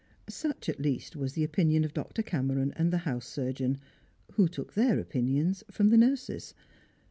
Such at least was the opinion of Dr. Cameron and the house surgeon, who took their opinions from the nurses.